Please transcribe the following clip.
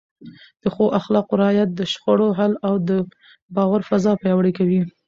د ښو اخلاقو رعایت د شخړو حل او د باور فضا پیاوړې کوي.